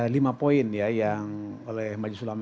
lima poin ya yang oleh majelis ulama